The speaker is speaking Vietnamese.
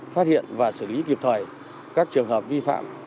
phát hiện và xử lý kịp thời các trường hợp vi phạm